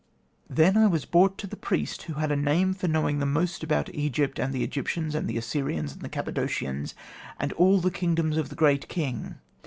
Then I was brought to the priest who had a name for knowing most about Egypt, and the Egyptians, and the Assyrians, and the Cappadocians, and all the kingdoms of the Great King.